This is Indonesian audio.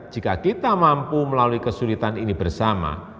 jika kita mampu melalui kesulitan ini bersama